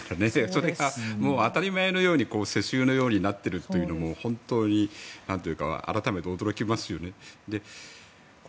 それが当たり前のように世襲のようになっているというのも本当に改めて驚きますよね。